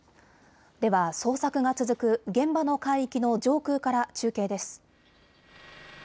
では捜索が続く続く現場の海域の上空から中継です。